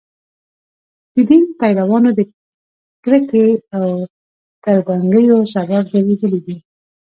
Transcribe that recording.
د دین پیروانو د کرکې او تربګنیو سبب ګرځېدلي دي.